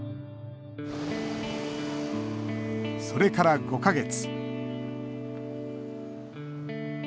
それから５か月。